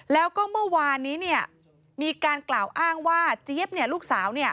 แล้วก็เมื่อวานนี้มีการกล่าวอ้างว่าเจี๊ยบลูกสาว